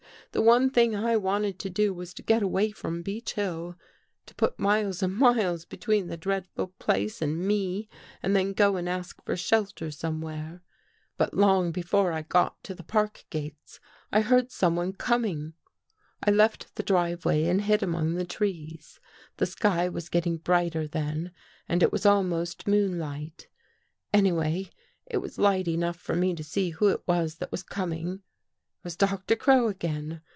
The one thing I wanted to do was to get away from Beech Hill — to put miles and miles between the dreadful place and me and then go and ask for shelter some where. " But long before I got to the park gates, I heard someone coming. I left the driveway and hid among the trees. The sky was getting brighter then and it was almost moonlight. Anyway, it was light enough for me to see who it was that was coming. It was Doctor Crow again.